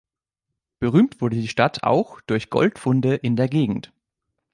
Berühmt wurde die Stadt auch durch Goldfunde in der Gegend.